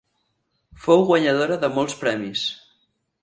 Fou guanyadora de molts premis.